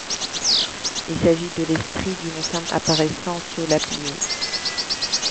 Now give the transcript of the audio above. Il s'agit de l'esprit d'une femme apparaissant sous la pluie.